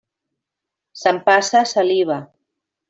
S'empassa saliva.